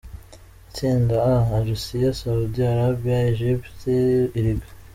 Itsinda A: Russia, Saudi Arabia, Egypt, Uruguay.